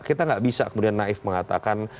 kita nggak bisa kemudian naif mengatakan